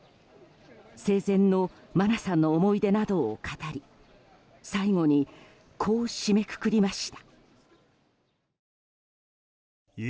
生前の真菜さんの思い出などを語り最後に、こう締めくくりました。